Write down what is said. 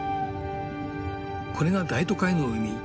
これが大都会の海